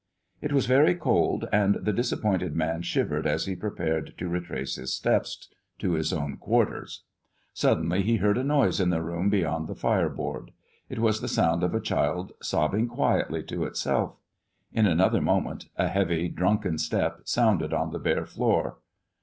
It was very cold, and the disappointed man shivered as he prepared to retrace his steps to his own quarters. Suddenly he heard a noise in the room beyond the fireboard. It was the sound of a child sobbing quietly to itself. In another moment a heavy, drunken step sounded on the bare floor.